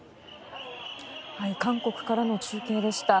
韓国からの中継でした。